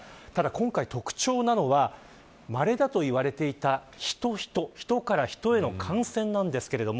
今回特徴なのはまれだと言われていたヒトからヒトへの感染です。